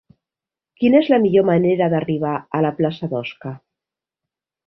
Quina és la millor manera d'arribar a la plaça d'Osca?